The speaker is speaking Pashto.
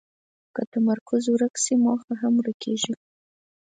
که تمرکز ورک شي، موخه هم ورکېږي.